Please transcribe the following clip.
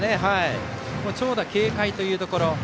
長打警戒というところ。